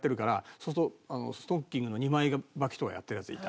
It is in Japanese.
そうするとストッキングの２枚ばきとかやってるヤツいた。